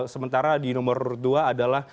sementara di nomor dua adalah